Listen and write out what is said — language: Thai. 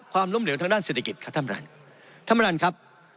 ความล้มเหลวทางด้านเศรษฐกิจค่ะท่านบันดาลท่านบันดาลครับ